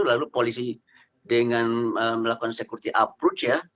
lalu polisi dengan melakukan security approach ya